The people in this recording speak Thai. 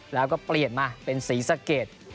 แล้วก็เปลี่ยนมาเป็นศรีสะเกด